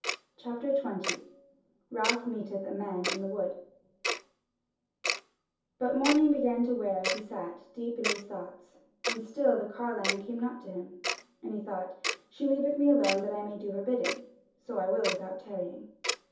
CHAPTER 20 Ralph Meeteth a Man in the Wood But the morning began to wear as he sat deep in these thoughts and still the Carline came not to him; and he thought: "She leaveth me alone that I may do her bidding: so will I without tarrying."